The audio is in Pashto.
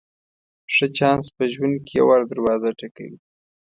ښه چانس په ژوند کې یو وار دروازه ټکوي.